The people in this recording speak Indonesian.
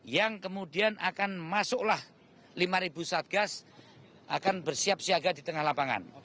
yang kemudian akan masuklah lima satgas akan bersiap siaga di tengah lapangan